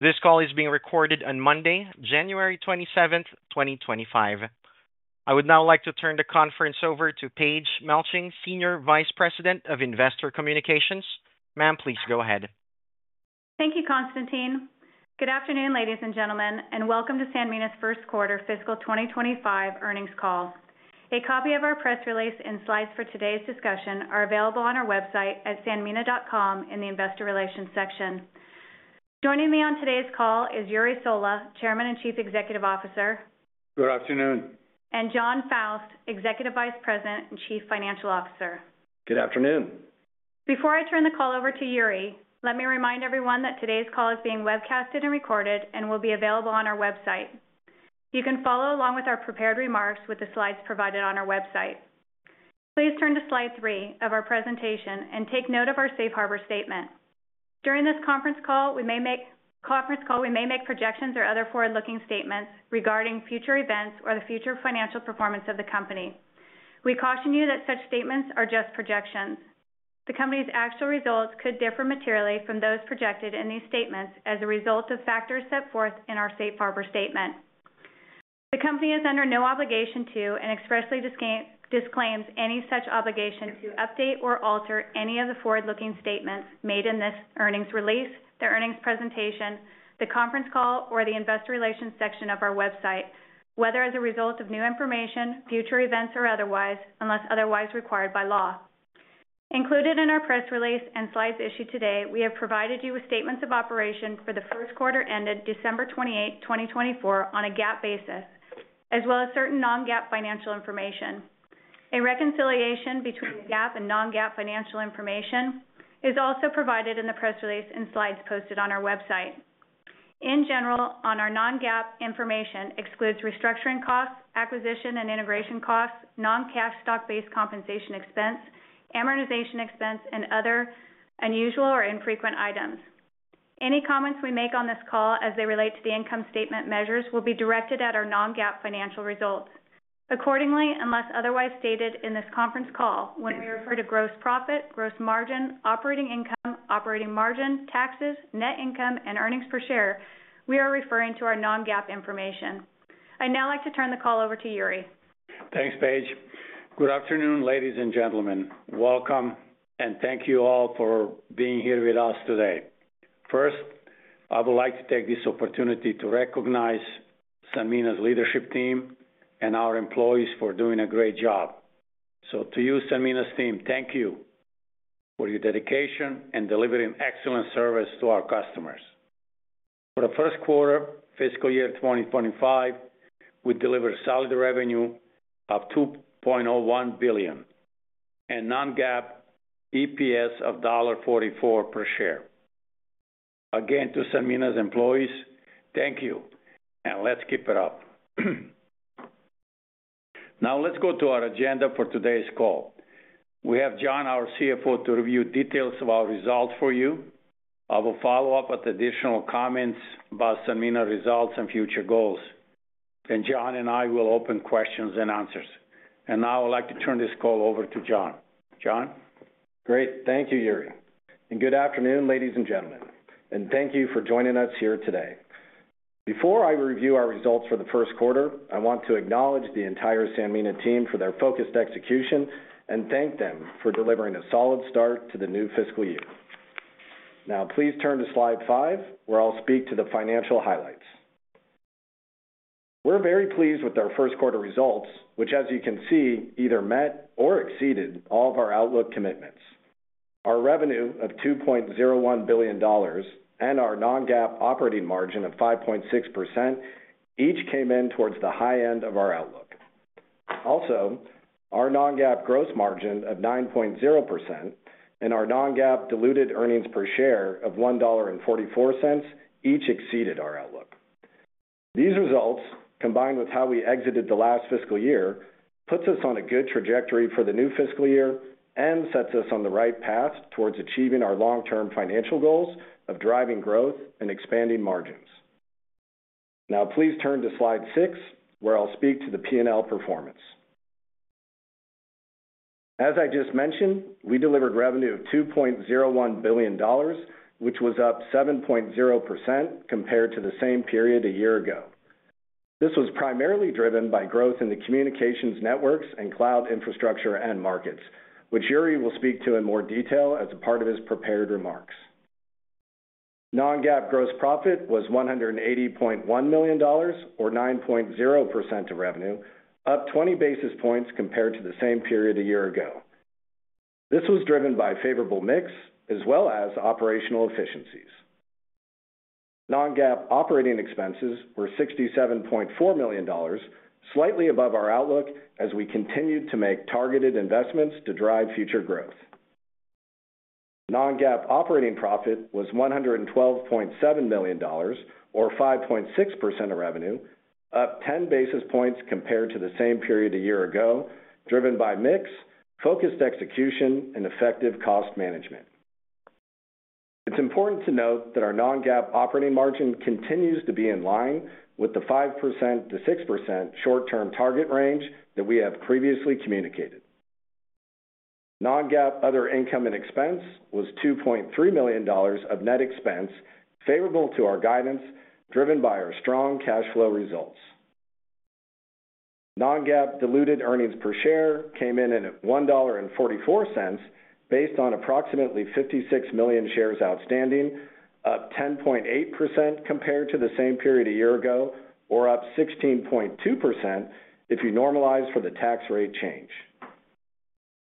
This call is being recorded on Monday, January 27th, 2025. I would now like to turn the conference over to Paige Malling, Senior Vice President of Investor Communications. Ma'am, please go ahead. Thank you, Konstantin. Good afternoon, ladies and gentlemen, and welcome to Sanmina's First Quarter Fiscal 2025 Earnings Call. A copy of our press release and slides for today's discussion are available on our website at sanmina.com in the Investor Relations section. Joining me on today's call is Jure Sola, Chairman and Chief Executive Officer. Good afternoon. Jon Faust, Executive Vice President and Chief Financial Officer. Good afternoon. Before I turn the call over to Jure, let me remind everyone that today's call is being webcasted and recorded and will be available on our website. You can follow along with our prepared remarks with the slides provided on our website. Please turn to slide three of our presentation and take note of our safe harbor statement. During this conference call, we may make projections or other forward-looking statements regarding future events or the future financial performance of the company. We caution you that such statements are just projections. The company's actual results could differ materially from those projected in these statements as a result of factors set forth in our safe harbor statement. The company is under no obligation to and expressly disclaims any such obligation to update or alter any of the forward-looking statements made in this earnings release, the earnings presentation, the conference call, or the Investor Relations section of our website, whether as a result of new information, future events, or otherwise, unless otherwise required by law. Included in our press release and slides issued today, we have provided you with statements of operation for the first quarter ended December 28th, 2024, on a GAAP basis, as well as certain non-GAAP financial information. A reconciliation between GAAP and non-GAAP financial information is also provided in the press release and slides posted on our website. In general, our non-GAAP information excludes restructuring costs, acquisition and integration costs, non-cash stock-based compensation expense, amortization expense, and other unusual or infrequent items. Any comments we make on this call as they relate to the income statement measures will be directed at our non-GAAP financial results. Accordingly, unless otherwise stated in this conference call, when we refer to gross profit, gross margin, operating income, operating margin, taxes, net income, and earnings per share, we are referring to our non-GAAP information. I'd now like to turn the call over to Jure. Thanks, Paige. Good afternoon, ladies and gentlemen. Welcome, and thank you all for being here with us today. First, I would like to take this opportunity to recognize Sanmina's leadership team and our employees for doing a great job. So to you, Sanmina's team, thank you for your dedication in delivering excellent service to our customers. For the first quarter fiscal year 2025, we delivered solid revenue of $2.01 billion and non-GAAP EPS of $1.44 per share. Again, to Sanmina's employees, thank you, and let's keep it up. Now, let's go to our agenda for today's call. We have Jon, our CFO, to review details of our results for you. I will follow up with additional comments about Sanmina results and future goals. Then Jon and I will open questions and answers. And now I would like to turn this call over to Jon. Jon? Great. Thank you, Jure. And good afternoon, ladies and gentlemen. And thank you for joining us here today. Before I review our results for the first quarter, I want to acknowledge the entire Sanmina team for their focused execution and thank them for delivering a solid start to the new fiscal year. Now, please turn to slide five, where I'll speak to the financial highlights. We're very pleased with our first quarter results, which, as you can see, either met or exceeded all of our outlook commitments. Our revenue of $2.01 billion and our non-GAAP operating margin of 5.6% each came in towards the high end of our outlook. Also, our non-GAAP gross margin of 9.0% and our non-GAAP diluted earnings per share of $1.44 each exceeded our outlook. These results, combined with how we exited the last fiscal year, put us on a good trajectory for the new fiscal year and set us on the right path towards achieving our long-term financial goals of driving growth and expanding margins. Now, please turn to slide six, where I'll speak to the P&L performance. As I just mentioned, we delivered revenue of $2.01 billion, which was up 7.0% compared to the same period a year ago. This was primarily driven by growth in the communications networks and cloud infrastructure and markets, which Jure will speak to in more detail as a part of his prepared remarks. Non-GAAP gross profit was $180.1 million, or 9.0% of revenue, up 20 basis points compared to the same period a year ago. This was driven by a favorable mix as well as operational efficiencies. Non-GAAP operating expenses were $67.4 million, slightly above our outlook as we continued to make targeted investments to drive future growth. Non-GAAP operating profit was $112.7 million, or 5.6% of revenue, up 10 basis points compared to the same period a year ago, driven by mix, focused execution, and effective cost management. It's important to note that our non-GAAP operating margin continues to be in line with the 5%-6% short-term target range that we have previously communicated. Non-GAAP other income and expense was $2.3 million of net expense favorable to our guidance, driven by our strong cash flow results. Non-GAAP diluted earnings per share came in at $1.44 based on approximately 56 million shares outstanding, up 10.8% compared to the same period a year ago, or up 16.2% if you normalize for the tax rate change.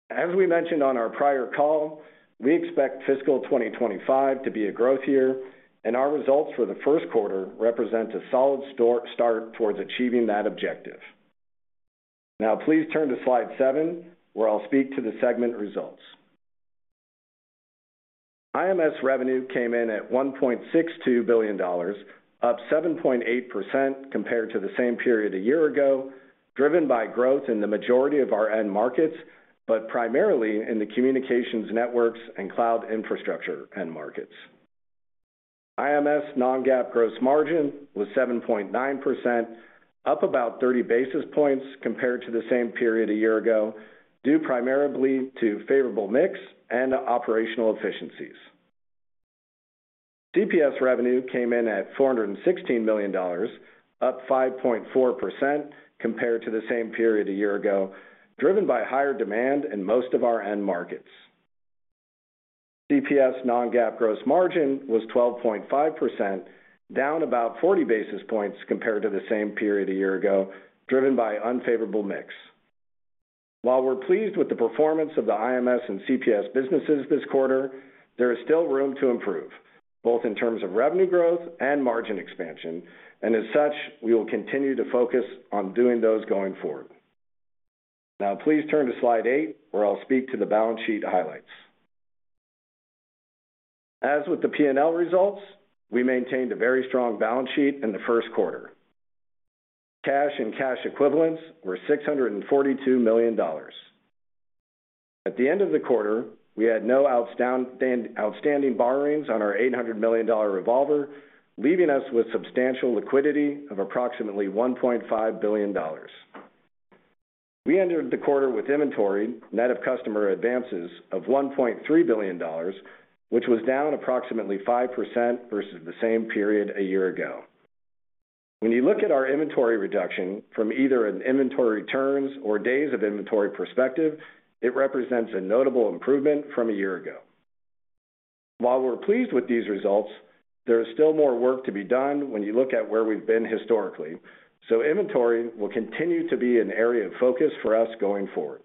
As we mentioned on our prior call, we expect fiscal 2025 to be a growth year, and our results for the first quarter represent a solid start towards achieving that objective. Now, please turn to slide seven, where I'll speak to the segment results. IMS revenue came in at $1.62 billion, up 7.8% compared to the same period a year ago, driven by growth in the majority of our end markets, but primarily in the communications networks and cloud infrastructure end markets. IMS non-GAAP gross margin was 7.9%, up about 30 basis points compared to the same period a year ago, due primarily to favorable mix and operational efficiencies. CPS revenue came in at $416 million, up 5.4% compared to the same period a year ago, driven by higher demand in most of our end markets. CPS non-GAAP gross margin was 12.5%, down about 40 basis points compared to the same period a year ago, driven by unfavorable mix. While we're pleased with the performance of the IMS and CPS businesses this quarter, there is still room to improve, both in terms of revenue growth and margin expansion, and as such, we will continue to focus on doing those going forward. Now, please turn to slide eight, where I'll speak to the balance sheet highlights. As with the P&L results, we maintained a very strong balance sheet in the first quarter. Cash and cash equivalents were $642 million. At the end of the quarter, we had no outstanding borrowings on our $800 million revolver, leaving us with substantial liquidity of approximately $1.5 billion. We entered the quarter with inventory net of customer advances of $1.3 billion, which was down approximately 5% versus the same period a year ago. When you look at our inventory reduction from either an inventory turns or days of inventory perspective, it represents a notable improvement from a year ago. While we're pleased with these results, there is still more work to be done when you look at where we've been historically. So inventory will continue to be an area of focus for us going forward.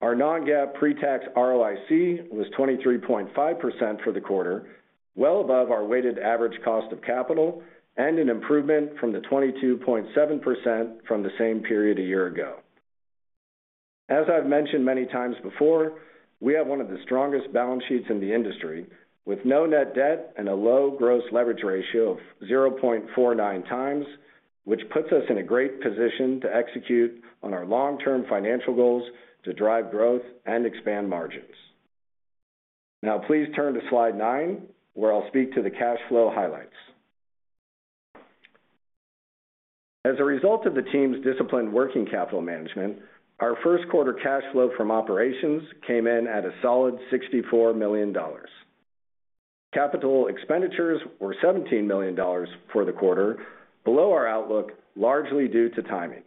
Our non-GAAP pre-tax ROIC was 23.5% for the quarter, well above our weighted average cost of capital, and an improvement from the 22.7% from the same period a year ago. As I've mentioned many times before, we have one of the strongest balance sheets in the industry, with no net debt and a low gross leverage ratio of 0.49x, which puts us in a great position to execute on our long-term financial goals to drive growth and expand margins. Now, please turn to slide nine, where I'll speak to the cash flow highlights. As a result of the team's disciplined working capital management, our first quarter cash flow from operations came in at a solid $64 million. Capital expenditures were $17 million for the quarter, below our outlook, largely due to timing.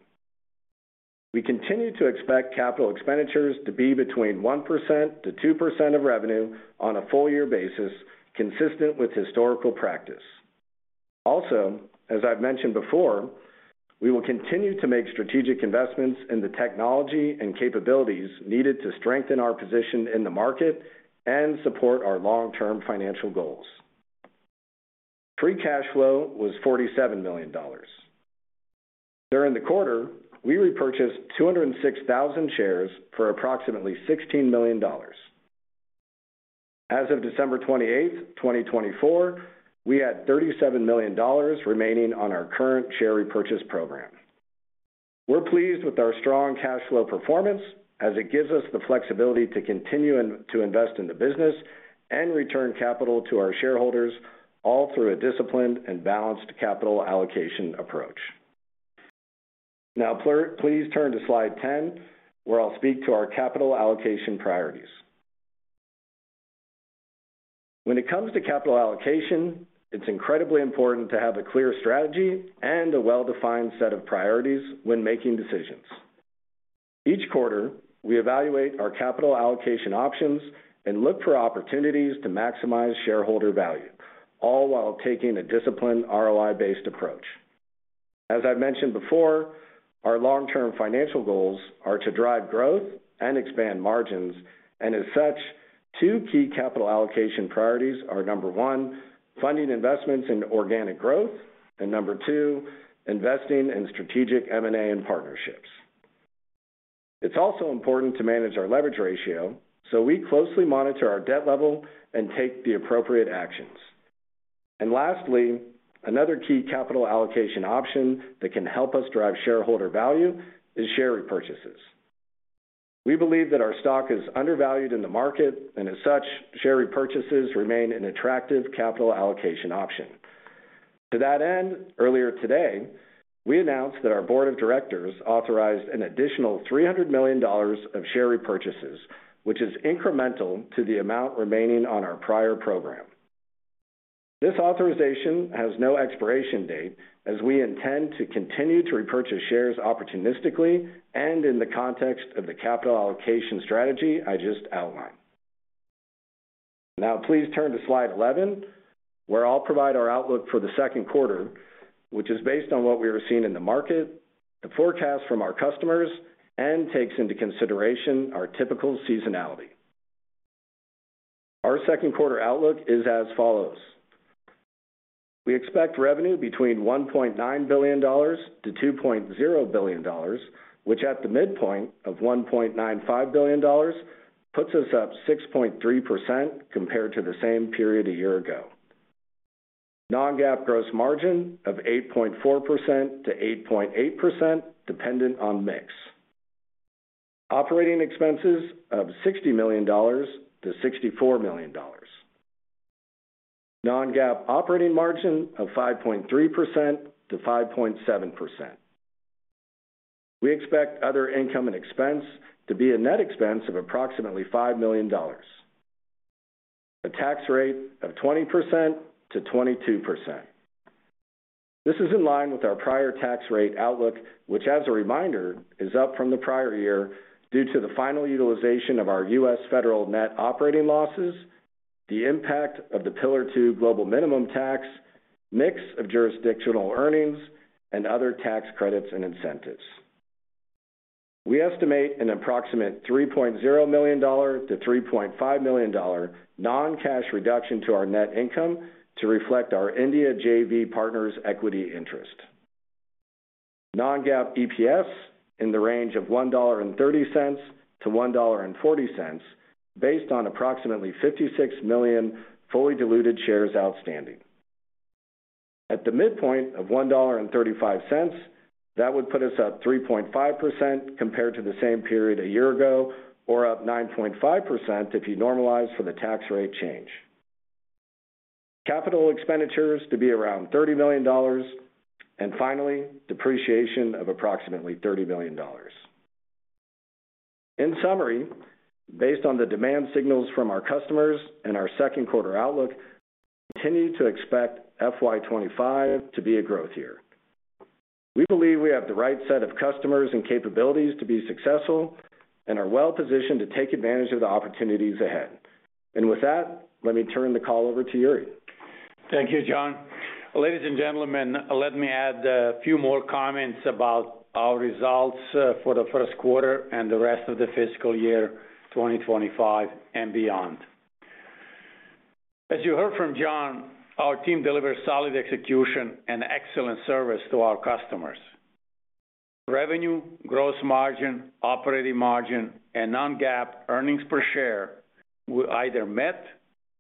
We continue to expect capital expenditures to be between 1%-2% of revenue on a full-year basis, consistent with historical practice. Also, as I've mentioned before, we will continue to make strategic investments in the technology and capabilities needed to strengthen our position in the market and support our long-term financial goals. Free cash flow was $47 million. During the quarter, we repurchased 206,000 shares for approximately $16 million. As of December 28th, 2024, we had $37 million remaining on our current share repurchase program. We're pleased with our strong cash flow performance as it gives us the flexibility to continue to invest in the business and return capital to our shareholders, all through a disciplined and balanced capital allocation approach. Now, please turn to slide 10, where I'll speak to our capital allocation priorities. When it comes to capital allocation, it's incredibly important to have a clear strategy and a well-defined set of priorities when making decisions. Each quarter, we evaluate our capital allocation options and look for opportunities to maximize shareholder value, all while taking a disciplined ROI-based approach. As I've mentioned before, our long-term financial goals are to drive growth and expand margins, and as such, two key capital allocation priorities are number one, funding investments in organic growth, and number two, investing in strategic M&A and partnerships. It's also important to manage our leverage ratio, so we closely monitor our debt level and take the appropriate actions. And lastly, another key capital allocation option that can help us drive shareholder value is share repurchases. We believe that our stock is undervalued in the market, and as such, share repurchases remain an attractive capital allocation option. To that end, earlier today, we announced that our board of directors authorized an additional $300 million of share repurchases, which is incremental to the amount remaining on our prior program. This authorization has no expiration date, as we intend to continue to repurchase shares opportunistically and in the context of the capital allocation strategy I just outlined. Now, please turn to slide 11, where I'll provide our outlook for the second quarter, which is based on what we are seeing in the market, the forecast from our customers, and takes into consideration our typical seasonality. Our second quarter outlook is as follows. We expect revenue between $1.9 billion-$2.0 billion, which at the midpoint of $1.95 billion puts us up 6.3% compared to the same period a year ago. Non-GAAP gross margin of 8.4%-8.8%, dependent on mix. Operating expenses of $60 million-$64 million. Non-GAAP operating margin of 5.3%-5.7%. We expect other income and expense to be a net expense of approximately $5 million. A tax rate of 20%-22%. This is in line with our prior tax rate outlook, which, as a reminder, is up from the prior year due to the final utilization of our U.S. federal net operating losses, the impact of the Pillar Two global minimum tax, mix of jurisdictional earnings, and other tax credits and incentives. We estimate an approximate $3.0 million-$3.5 million non-cash reduction to our net income to reflect our India JV partner's equity interest. Non-GAAP EPS in the range of $1.30-$1.40, based on approximately 56 million fully diluted shares outstanding. At the midpoint of $1.35, that would put us up 3.5% compared to the same period a year ago, or up 9.5% if you normalize for the tax rate change. Capital expenditures to be around $30 million, and finally, depreciation of approximately $30 million. In summary, based on the demand signals from our customers and our second quarter outlook, we continue to expect FY25 to be a growth year. We believe we have the right set of customers and capabilities to be successful and are well positioned to take advantage of the opportunities ahead, and with that, let me turn the call over to Jure. Thank you, Jon. Ladies and gentlemen, let me add a few more comments about our results for the first quarter and the rest of the fiscal year 2025 and beyond. As you heard from Jon, our team delivers solid execution and excellent service to our customers. Revenue, gross margin, operating margin, and non-GAAP earnings per share were either met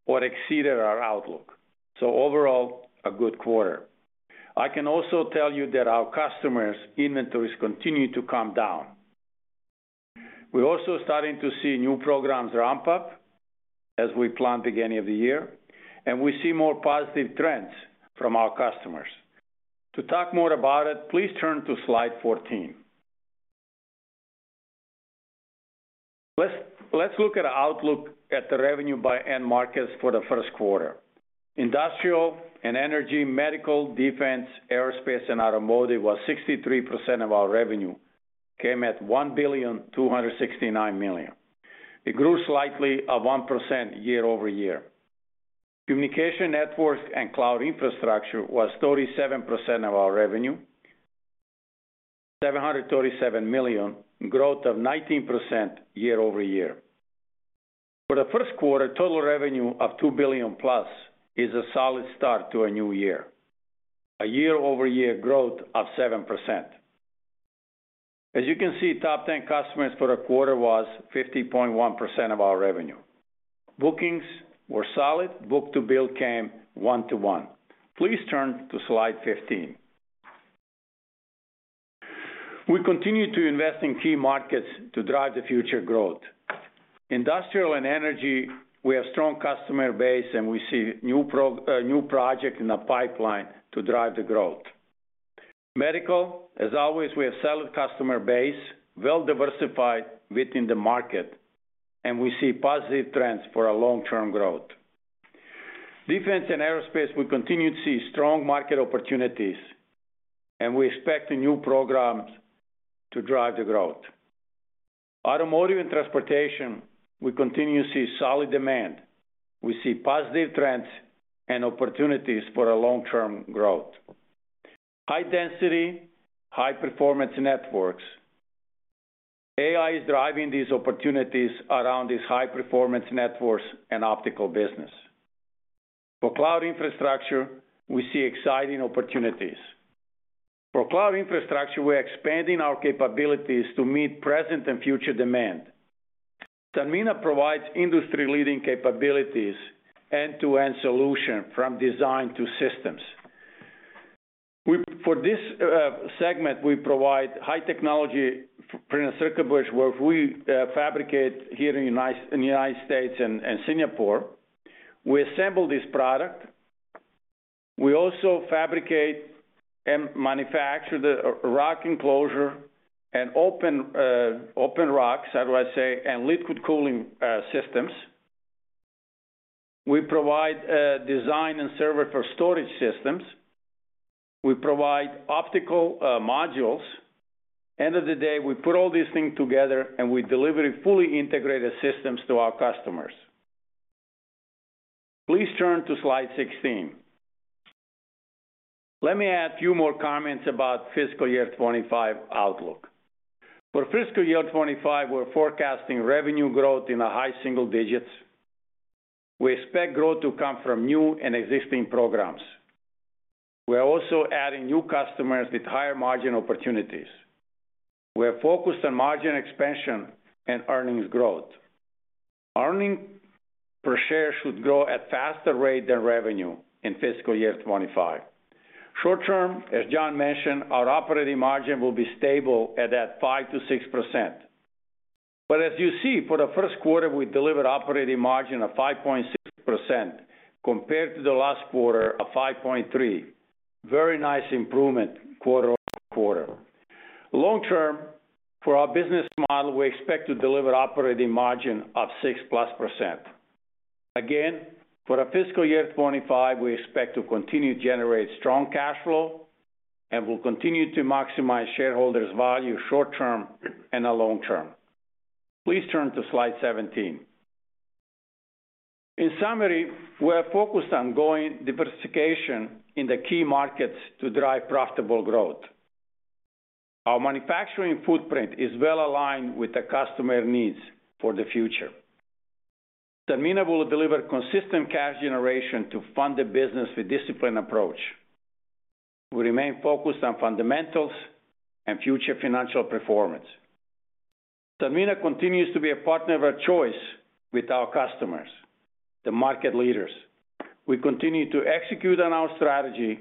or exceeded our outlook. So overall, a good quarter. I can also tell you that our customers' inventories continue to come down. We're also starting to see new programs ramp up as we plan to begin the end of the year, and we see more positive trends from our customers. To talk more about it, please turn to slide 14. Let's look at our outlook at the revenue by end markets for the first quarter. Industrial and energy, medical, defense, aerospace, and automotive was 63% of our revenue, came at $1,269 million. It grew slightly of 1% year-over-year. Communication network and cloud infrastructure was 37% of our revenue, $737 million, growth of 19% year-over-year. For the first quarter, total revenue of $2 billion+ is a solid start to a new year. A year-over-year growth of 7%. As you can see, top 10 customers for the quarter was 50.1% of our revenue. Bookings were solid. Book-to-bill came one-to-one. Please turn to slide 15. We continue to invest in key markets to drive the future growth. Industrial and energy, we have a strong customer base, and we see new projects in the pipeline to drive the growth. Medical, as always, we have a solid customer base, well-diversified within the market, and we see positive trends for our long-term growth. Defense and aerospace, we continue to see strong market opportunities, and we expect new programs to drive the growth. Automotive and transportation, we continue to see solid demand. We see positive trends and opportunities for our long-term growth. High-density, high-performance networks. AI is driving these opportunities around these high-performance networks and optical business. For cloud infrastructure, we see exciting opportunities. For cloud infrastructure, we are expanding our capabilities to meet present and future demand. Sanmina provides industry-leading capabilities, end-to-end solution from design to systems. For this segment, we provide high-technology printed circuit boards where we fabricate here in the United States and Singapore. We assemble this product. We also fabricate and manufacture the rack enclosure and open racks, I would say, and liquid cooling systems. We provide design and servers for storage systems. We provide optical modules. End of the day, we put all these things together and we deliver fully integrated systems to our customers. Please turn to slide 16. Let me add a few more comments about fiscal year 2025 outlook. For fiscal year 2025, we're forecasting revenue growth in the high single digits. We expect growth to come from new and existing programs. We're also adding new customers with higher margin opportunities. We're focused on margin expansion and earnings growth. Earnings per share should grow at a faster rate than revenue in fiscal year 2025. Short term, as John mentioned, our operating margin will be stable at that 5%-6%. But as you see, for the first quarter, we delivered operating margin of 5.6% compared to the last quarter of 5.3%. Very nice improvement quarter over quarter. Long term, for our business model, we expect to deliver operating margin of 6+%. Again, for fiscal year 2025, we expect to continue to generate strong cash flow and will continue to maximize shareholders' value short term and long term. Please turn to slide 17. In summary, we are focused on geographic diversification in the key markets to drive profitable growth. Our manufacturing footprint is well aligned with the customer needs for the future. Sanmina will deliver consistent cash generation to fund the business with a disciplined approach. We remain focused on fundamentals and future financial performance. Sanmina continues to be a partner of our choice with our customers, the market leaders. We continue to execute on our strategy,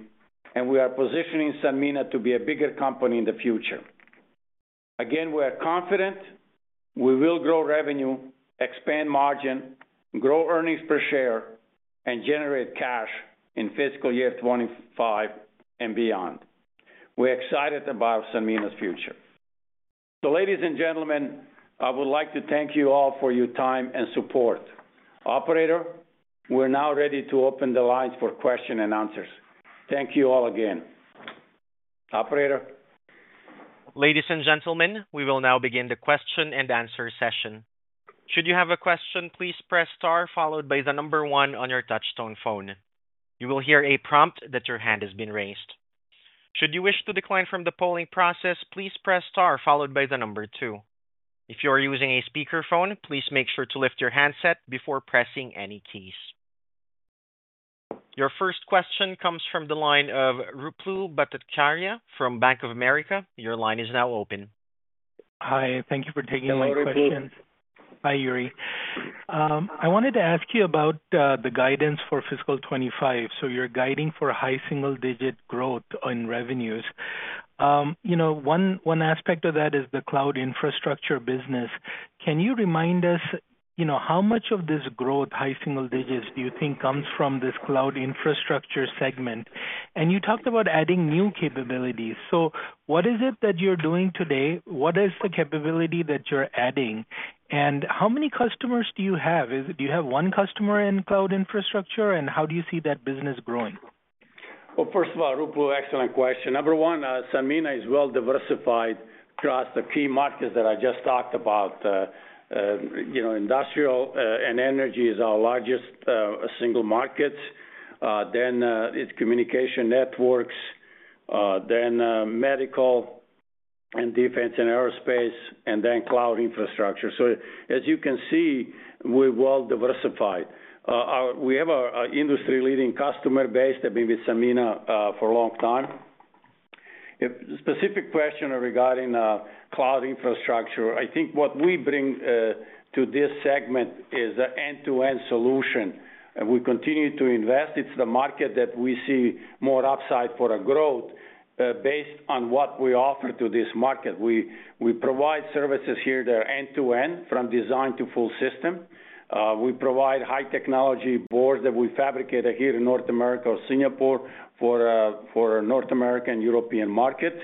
and we are positioning Sanmina to be a bigger company in the future. Again, we are confident we will grow revenue, expand margin, grow earnings per share, and generate cash in fiscal year 2025 and beyond. We're excited about Sanmina's future. So, ladies and gentlemen, I would like to thank you all for your time and support. Operator, we're now ready to open the lines for questions and answers. Thank you all again. Operator. Ladies and gentlemen, we will now begin the question and answer session. Should you have a question, please press star followed by the number one on your touch-tone phone. You will hear a prompt that your hand has been raised. Should you wish to decline from the polling process, please press star followed by the number two. If you are using a speakerphone, please make sure to lift your handset before pressing any keys. Your first question comes from the line of Ruplu Bhattacharya from Bank of America. Your line is now open. Hi, thank you for taking my question. Hi, Jure. I wanted to ask you about the guidance for fiscal 2025. So you're guiding for high single-digit growth in revenues. One aspect of that is the cloud infrastructure business. Can you remind us how much of this growth, high single digits, do you think comes from this cloud infrastructure segment? And you talked about adding new capabilities. So what is it that you're doing today? What is the capability that you're adding? And how many customers do you have? Do you have one customer in cloud infrastructure? And how do you see that business growing? Well, first of all, Ruplu, excellent question. Number one, Sanmina is well diversified across the key markets that I just talked about. Industrial and energy is our largest single markets. Then it's communication networks, then medical and defense and aerospace, and then cloud infrastructure. So, as you can see, we're well diversified. We have an industry-leading customer base. They've been with Sanmina for a long time. Specific question regarding cloud infrastructure, I think what we bring to this segment is an end-to-end solution. We continue to invest. It's the market that we see more upside for our growth based on what we offer to this market. We provide services here that are end-to-end, from design to full system. We provide high-technology boards that we fabricate here in North America or Singapore for a North American and European market.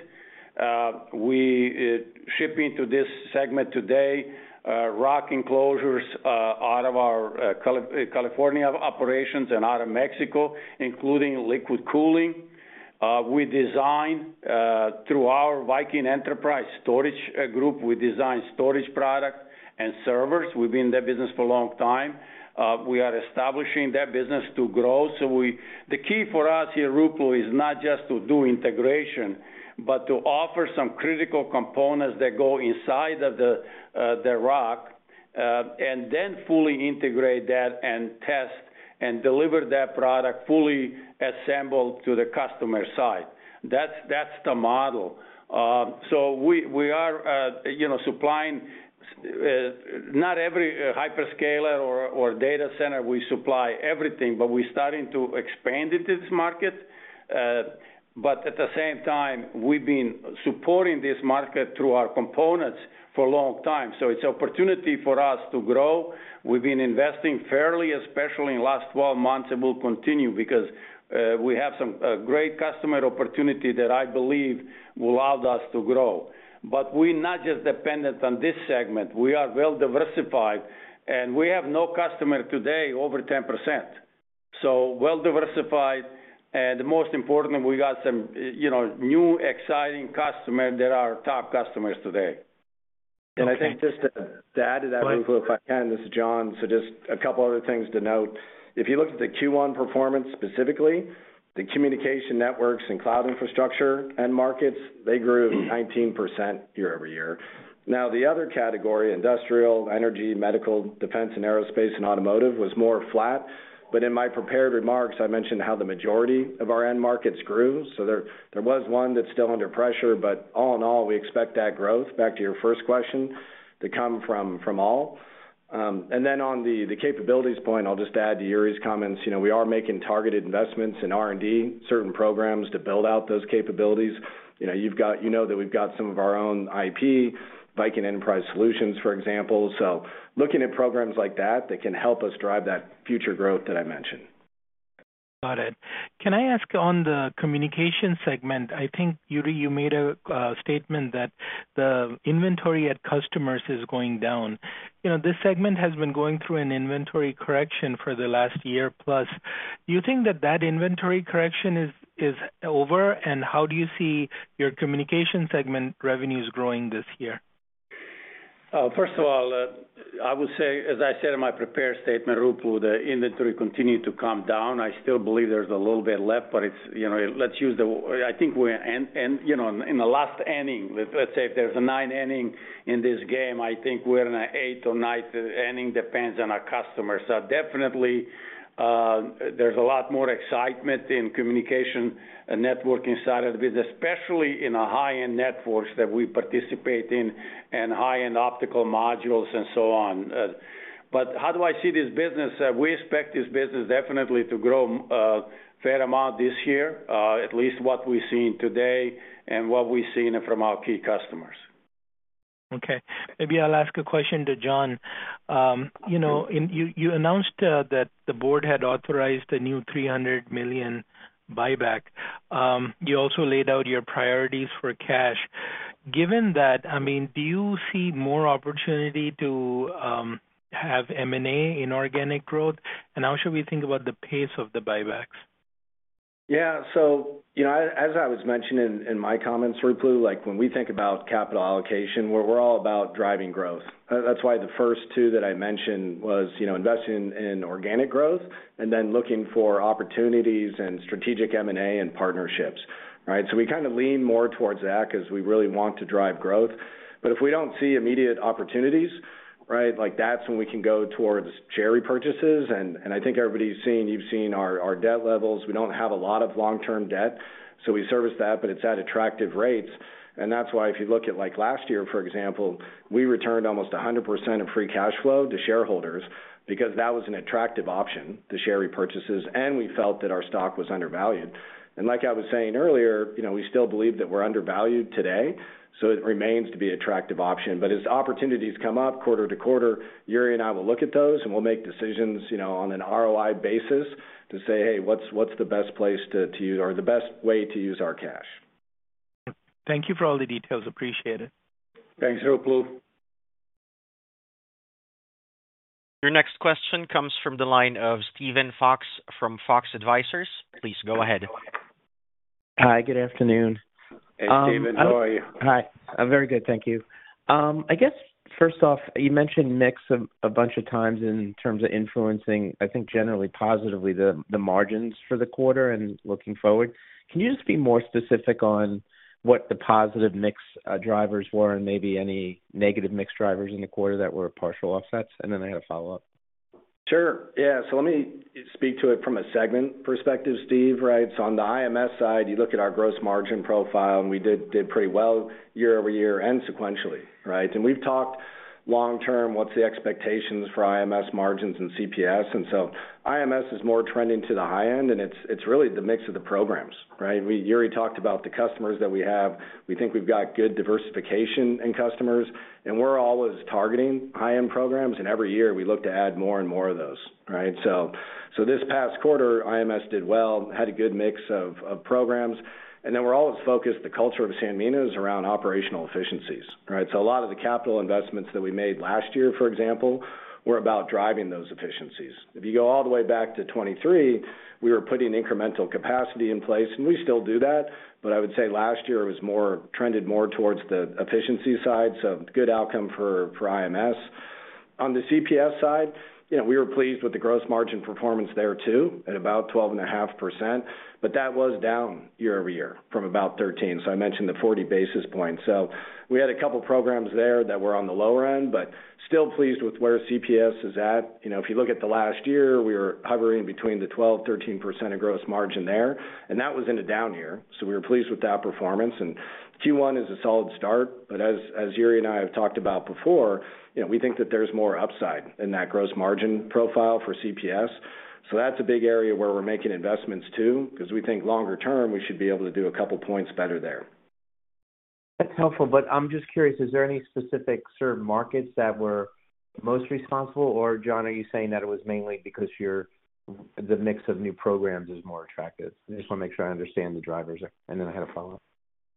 We ship into this segment today rack enclosures out of our California operations and out of Mexico, including liquid cooling. We design through our Viking Enterprise storage group. We design storage products and servers. We've been in that business for a long time. We are establishing that business to grow. So the key for us here, Ruplu, is not just to do integration, but to offer some critical components that go inside of the rack and then fully integrate that and test and deliver that product fully assembled to the customer side. That's the model. So we are supplying not every hyperscaler or data center. We supply everything, but we're starting to expand into this market. But at the same time, we've been supporting this market through our components for a long time. So it's an opportunity for us to grow. We've been investing fairly, especially in the last 12 months, and we'll continue because we have some great customer opportunity that I believe will allow us to grow. But we're not just dependent on this segment. We are well diversified, and we have no customer today over 10%. So well diversified. And most important, we got some new, exciting customers that are our top customers today. And I think just to add to that, Ruplu, if I can, this is Jon. So just a couple of other things to note. If you look at the Q1 performance specifically, the communication networks and cloud infrastructure end markets, they grew 19% year-over-year. Now, the other category, industrial, energy, medical, defense, and aerospace, and automotive, was more flat. But in my prepared remarks, I mentioned how the majority of our end markets grew. So there was one that's still under pressure. But all in all, we expect that growth, back to your first question, to come from all. And then on the capabilities point, I'll just add to Jure's comments. We are making targeted investments in R&D, certain programs to build out those capabilities. You know that we've got some of our own IP, Viking Enterprise Solutions, for example. So looking at programs like that that can help us drive that future growth that I mentioned. Got it. Can I ask on the communication segment? I think, Jure, you made a statement that the inventory at customers is going down. This segment has been going through an inventory correction for the last year plus. Do you think that that inventory correction is over? And how do you see your communication segment revenues growing this year? First of all, I would say, as I said in my prepared statement, Ruplu, the inventory continued to come down. I still believe there's a little bit left, but let's use the—I think we're in the last inning. Let's say if there's a nine inning in this game, I think we're in an eight or nine inning. It depends on our customers. So definitely, there's a lot more excitement in communication and networking side of the business, especially in our high-end networks that we participate in and high-end optical modules and so on. But how do I see this business? We expect this business definitely to grow a fair amount this year, at least what we've seen today and what we've seen from our key customers. Okay. Maybe I'll ask a question to Jon. You announced that the board had authorized a new $300 million buyback. You also laid out your priorities for cash. Given that, I mean, do you see more opportunity to have M&A in organic growth? And how should we think about the pace of the buybacks? Yeah. So as I was mentioning in my comments, Ruplu, when we think about capital allocation, we're all about driving growth. That's why the first two that I mentioned was investing in organic growth and then looking for opportunities and strategic M&A and partnerships. So we kind of lean more towards that because we really want to drive growth. But if we don't see immediate opportunities, that's when we can go towards share repurchases. And I think everybody's seen, you've seen our debt levels. We don't have a lot of long-term debt. So we service that, but it's at attractive rates. And that's why if you look at last year, for example, we returned almost 100% of free cash flow to shareholders because that was an attractive option, the share repurchases, and we felt that our stock was undervalued. And like I was saying earlier, we still believe that we're undervalued today. So it remains to be an attractive option. But as opportunities come up quarter to quarter, Jure and I will look at those and we'll make decisions on an ROI basis to say, "Hey, what's the best place to use or the best way to use our cash?" Thank you for all the details. Appreciate it. Thanks, Ruplu. Your next question comes from the line of Steven Fox from Fox Advisors. Please go ahead. Hi. Good afternoon. Hey, Steven. How are you? Hi. I'm very good. Thank you. I guess, first off, you mentioned mix a bunch of times in terms of influencing, I think, generally positively the margins for the quarter and looking forward. Can you just be more specific on what the positive mix drivers were and maybe any negative mix drivers in the quarter that were partial offsets? And then I had a follow-up. Sure. Yeah. So let me speak to it from a segment perspective, Steve. So on the IMS side, you look at our gross margin profile, and we did pretty well year-over-year and sequentially. And we've talked long-term, what's the expectations for IMS margins and CPS. And so IMS is more trending to the high end, and it's really the mix of the programs. Jure talked about the customers that we have. We think we've got good diversification in customers, and we're always targeting high-end programs. And every year, we look to add more and more of those. So this past quarter, IMS did well, had a good mix of programs. And then we're always focused on the culture of Sanmina is around operational efficiencies. So a lot of the capital investments that we made last year, for example, were about driving those efficiencies. If you go all the way back to 2023, we were putting incremental capacity in place, and we still do that. But I would say last year it was more trended towards the efficiency side. So good outcome for IMS. On the CPS side, we were pleased with the gross margin performance there too, at about 12.5%. But that was down year-over-year from about 13%. So I mentioned the 40 basis points. So we had a couple of programs there that were on the lower end, but still pleased with where CPS is at. If you look at the last year, we were hovering between the 12%-13% of gross margin there. And that was in a down year. So we were pleased with that performance. And Q1 is a solid start. But as Jure and I have talked about before, we think that there's more upside in that gross margin profile for CPS. So that's a big area where we're making investments too because we think longer term, we should be able to do a couple of points better there. That's helpful. But I'm just curious, is there any specific markets that were most responsible? Or, Jon, are you saying that it was mainly because the mix of new programs is more attractive? I just want to make sure I understand the drivers. And then I had a follow-up.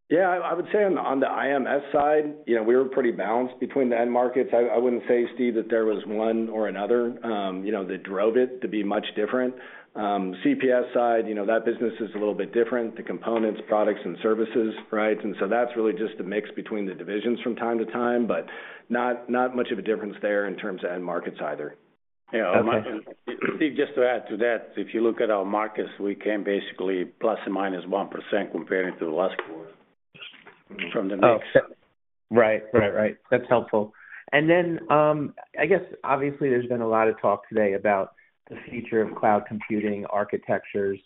Yeah. I would say on the IMS side, we were pretty balanced between the end markets. I wouldn't say, Steve, that there was one or another that drove it to be much different. CPS side, that business is a little bit different, the components, products, and services. And so that's really just the mix between the divisions from time to time, but not much of a difference there in terms of end markets either. Steve, just to add to that, if you look at our markets, we came basically ±1% comparing to the last quarter from the mix. Right. Right. That's helpful. And then I guess, obviously, there's been a lot of talk today about the future of cloud computing architectures.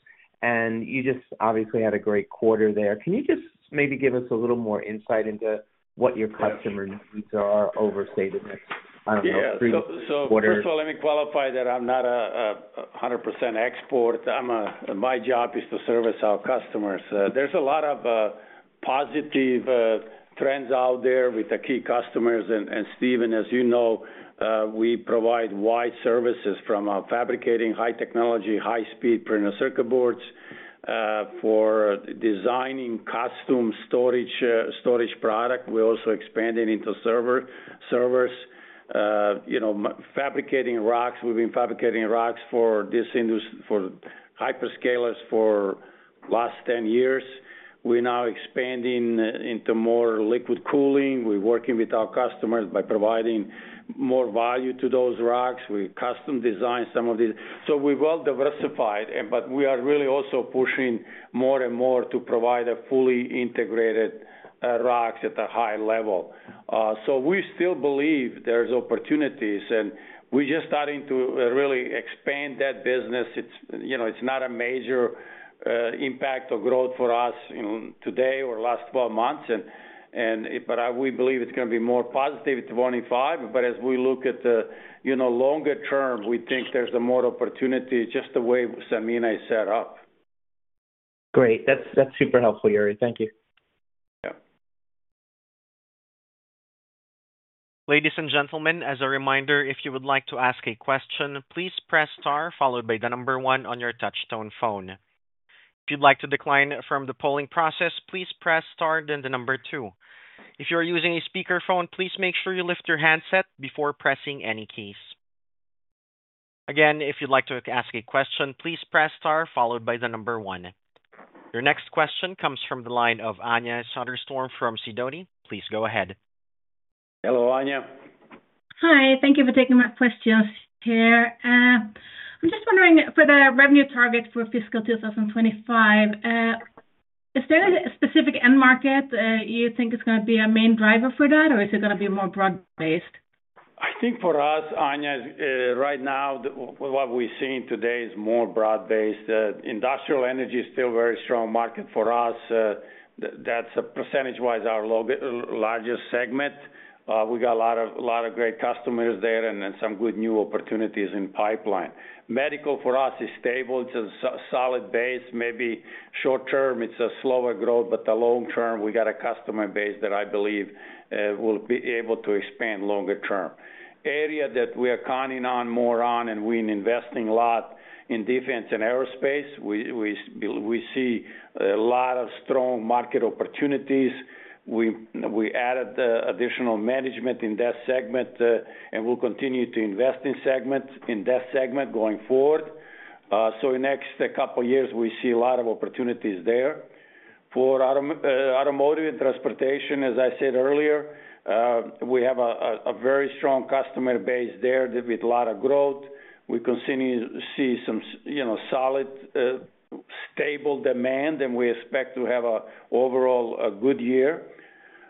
And you just obviously had a great quarter there. Can you just maybe give us a little more insight into what your customer needs are over, say, the next, I don't know, three or four quarters? Yeah. So first of all, let me qualify that I'm not a 100% expert. My job is to service our customers. There's a lot of positive trends out there with the key customers. And Steven, as you know, we provide wide services from fabricating high technology, high-speed printed circuit boards for designing custom storage product. We're also expanding into servers. Fabricating racks. We've been fabricating racks for hyperscalers for the last 10 years. We're now expanding into more liquid cooling. We're working with our customers by providing more value to those racks. We custom design some of these. So we've all diversified, but we are really also pushing more and more to provide fully integrated racks at a high level. So we still believe there's opportunities, and we're just starting to really expand that business. It's not a major impact of growth for us today or last 12 months. But we believe it's going to be more positive to 2025. But as we look at the longer term, we think there's more opportunity just the way Sanmina is set up. Great. That's super helpful, Jure. Thank you. Yeah. Ladies and gentlemen, as a reminder, if you would like to ask a question, please press star followed by the number one on your touch-tone phone. If you'd like to decline from the polling process, please press star then the number two. If you are using a speakerphone, please make sure you lift your handset before pressing any keys. Again, if you'd like to ask a question, please press star followed by the number one. Your next question comes from the line of Anja Soderstrom from Sidoti. Please go ahead. Hello, Anja. Hi. Thank you for taking my questions here. I'm just wondering for the revenue target for fiscal 2025, is there a specific end market you think is going to be a main driver for that, or is it going to be more broad-based? I think for us, Anja, right now, what we're seeing today is more broad-based. Industrial energy is still a very strong market for us. That's percentage-wise our largest segment. We got a lot of great customers there and some good new opportunities in pipeline. Medical for us is stable. It's a solid base. Maybe short term, it's a slower growth, but the long term, we got a customer base that I believe will be able to expand longer term. Area that we are counting on more on, and we're investing a lot in defense and aerospace. We see a lot of strong market opportunities. We added additional management in that segment, and we'll continue to invest in that segment going forward, so in the next couple of years, we see a lot of opportunities there. For automotive and transportation, as I said earlier, we have a very strong customer base there with a lot of growth. We continue to see some solid, stable demand, and we expect to have an overall good year.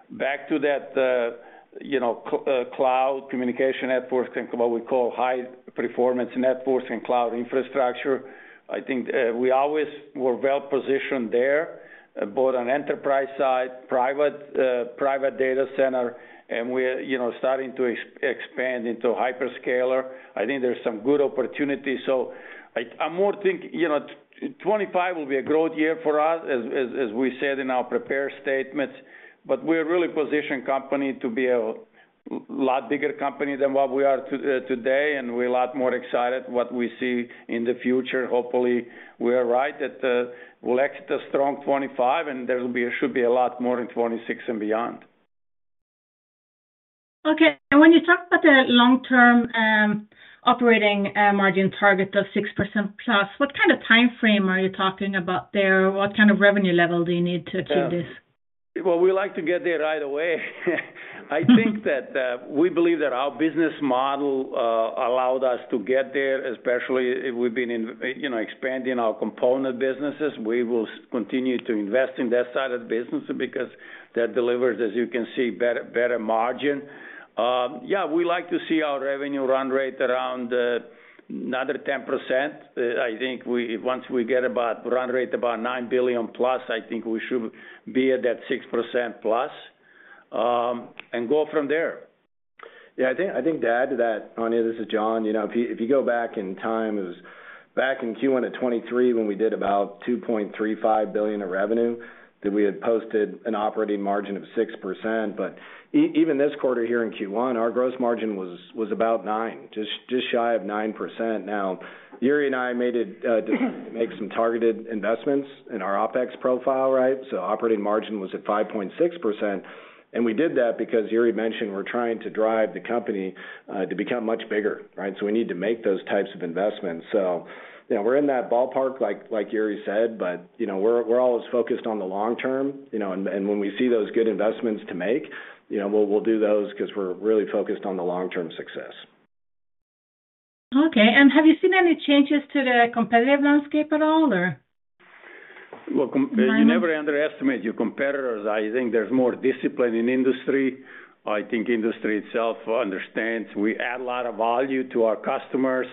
Back to that cloud communication network and what we call high-performance networks and cloud infrastructure. I think we always were well-positioned there, both on enterprise side, private data center, and we're starting to expand into hyperscaler. I think there's some good opportunity, so I more think 2025 will be a growth year for us, as we said in our prepared statements, but we're really positioned company to be a lot bigger company than what we are today, and we're a lot more excited about what we see in the future. Hopefully, we're right that we'll exit a strong 2025, and there should be a lot more in 2026 and beyond. Okay, and when you talk about the long-term operating margin target of 6%+, what kind of timeframe are you talking about there? What kind of revenue level do you need to achieve this? Well, we'd like to get there right away. I think that we believe that our business model allowed us to get there, especially if we've been expanding our component businesses. We will continue to invest in that side of the business because that delivers, as you can see, better margin. Yeah, we'd like to see our revenue run rate around another 10%. I think once we get run rate about $9 billion+, I think we should be at that 6%+ and go from there. Yeah. I think to add to that, Anja, this is Jon. If you go back in time, it was back in Q1 of 2023 when we did about $2.35 billion of revenue, that we had posted an operating margin of 6%. But even this quarter here in Q1, our gross margin was about 9%, just shy of 9%. Now, Jure and I made it to make some targeted investments in our OpEx profile. So operating margin was at 5.6%. And we did that because Jure mentioned we're trying to drive the company to become much bigger. So we need to make those types of investments. So we're in that ballpark, like Jure said, but we're always focused on the long term. And when we see those good investments to make, we'll do those because we're really focused on the long-term success. Okay. And have you seen any changes to the competitive landscape at all, or? Well, you never underestimate your competitors. I think there's more discipline in industry. I think industry itself understands we add a lot of value to our customers.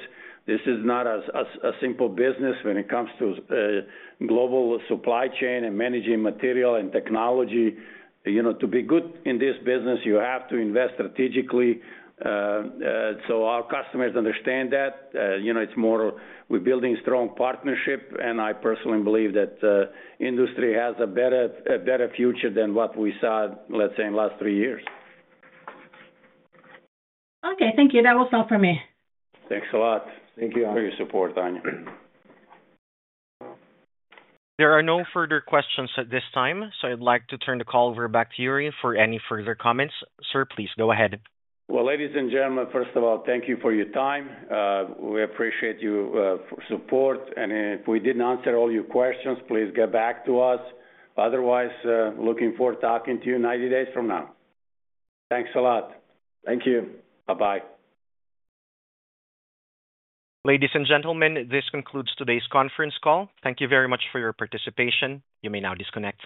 This is not a simple business when it comes to global supply chain and managing material and technology. To be good in this business, you have to invest strategically. So our customers understand that. It's more we're building strong partnership, and I personally believe that industry has a better future than what we saw, let's say, in the last three years. Okay. Thank you. That was all for me. Thanks a lot. Thank you for your support, Anja. There are no further questions at this time. So I'd like to turn the call over back to Jure for any further comments. Sir, please go ahead. Well, ladies and gentlemen, first of all, thank you for your time. We appreciate your support. And if we didn't answer all your questions, please get back to us. Otherwise, looking forward to talking to you 90 days from now. Thanks a lot. Thank you. Bye-bye. Ladies and gentlemen, this concludes today's conference call. Thank you very much for your participation. You may now disconnect.